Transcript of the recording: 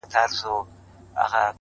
دغه سُر خالقه دغه تال کي کړې بدل؛